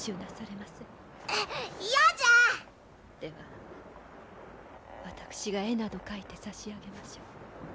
では私が絵など描いて差し上げましょう。